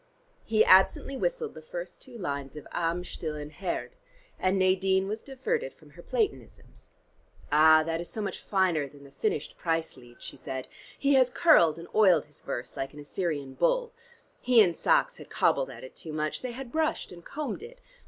He absently whistled the first two lines of "Am Stillen Herd," and Nadine was diverted from her Platonisms. "Ah, that is so much finer than the finished 'Preislied,'" she said; "he has curled and oiled his verse like an Assyrian bull. He and Sachs had cobbled at it too much: they had brushed and combed it.